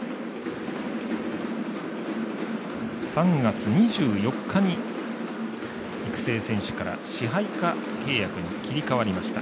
３月２４日に育成選手から支配下契約に切り替わりました。